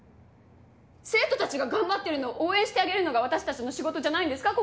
生徒たちが頑張っているのを応援してあげるのが私たちの仕事じゃないんですか？